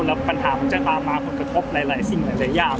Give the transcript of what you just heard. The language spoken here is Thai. แล้วปัญหามันจะตามมาผลกระทบหลายสิ่งหลายอย่าง